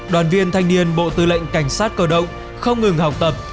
đoàn viên thanh niên bộ tư lệnh cảnh sát cơ động không ngừng học tập